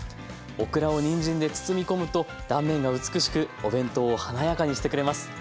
オクラをにんじんで包み込むと断面が美しくお弁当を華やかにしてくれます。